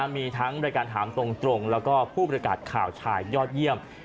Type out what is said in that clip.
มีทั้งบริการถามตรงแล้วก็ผู้ประกาศข่าวชายยอดเยี่ยม